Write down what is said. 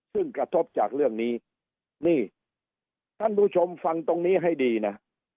ซึ่งกระทบจากเรื่องนี้นี่ท่านผู้ชมฟังตรงนี้ให้ดีนะ